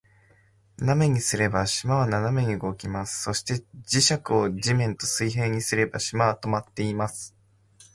斜めにすれば、島は斜めに動きます。そして、磁石を土面と水平にすれば、島は停まっています。